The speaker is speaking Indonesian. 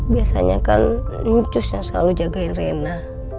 biasanya kan nyucus yang selalu jagain rena